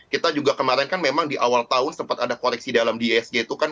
kita juga kemarin kan memang di awal tahun sempat ada koreksi dalam di isg itu kan